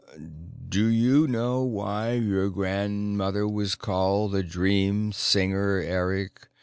"Did you know why your grandmother was called the Dream Singer, Eric?